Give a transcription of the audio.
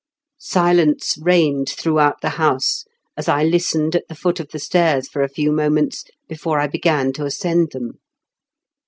Silence reigned throughout the house as I listened ^t the foot of the stairs for a few mcmients before I began to ascend them.